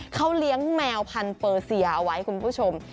เขาเลี้ยงแมวพันธเปอร์เซียเอาไว้คุณผู้ชม